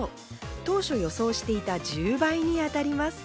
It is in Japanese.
当初予想していた１０倍に上がります。